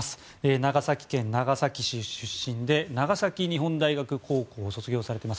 長崎県長崎市出身で長崎日本大学高校を卒業されています。